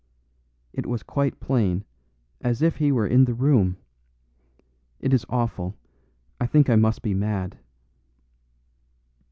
It was quite plain, as if he were in the room. It is awful, I think I must be mad."